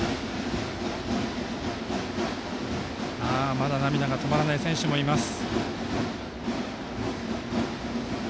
まだ、涙が止まらない選手がいます。